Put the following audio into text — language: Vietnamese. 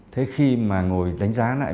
thế khi mà ngồi đánh giá lại